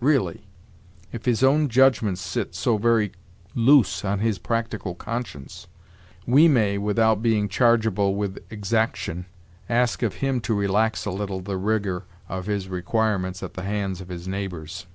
Really, if his own judgments sit so very loose on his practical conscience, we may, without being chargeable with exaction, ask of him to relax a little the rigor of his requirements at the hands of his neighbors.